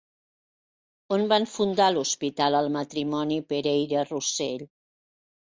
On van fundar l'hospital el matrimoni Pereira-Rossell?